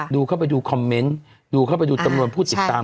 ดูเข้าไปดูคอมเมนต์ดูเข้าไปดูจำนวนผู้ติดตาม